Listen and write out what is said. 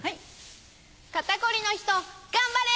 肩凝りの人頑張れ！